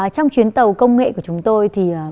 trong chuyến tàu công nghệ của chúng tôi